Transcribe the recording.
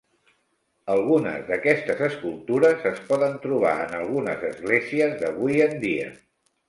Algunes d'aquestes escultures es poden trobar en algunes esglésies d'avui en dia.